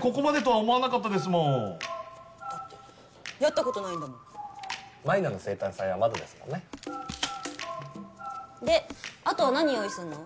ここまでとは思わなかったですもんだってやったことないんだもん舞菜の生誕祭はまだですもんねであとは何用意すんの？